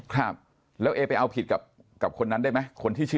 ครับแล้วเอไปเอาผิดกับคนนั้นได้ไหม